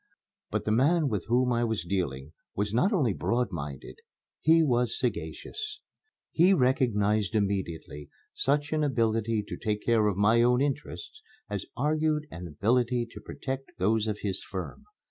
But the man with whom I was dealing was not only broad minded, he was sagacious. He recognized immediately such an ability to take care of my own interests as argued an ability to protect those of his firm.